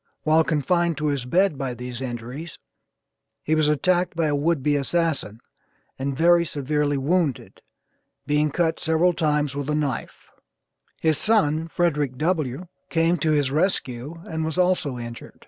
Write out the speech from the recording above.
While confined to his bed by these injuries he was attacked by a would be assassin, and very severely wounded, being cut several times with a knife his son Frederick W. came to his rescue and was also injured.